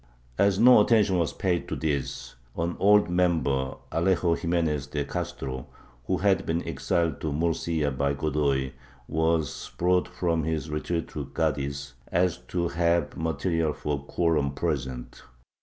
As no attention was paid to this, an old member, Alejo Jimenez de Castro, who had been exiled to Murcia by Godoy, was brought from his retreat to Cadiz, so as to have material for a quorum present.